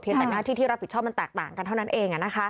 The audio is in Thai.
แต่หน้าที่ที่รับผิดชอบมันแตกต่างกันเท่านั้นเอง